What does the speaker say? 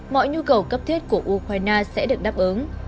mọi nhu cầu cấp thiết của ukraine sẽ được đáp ứng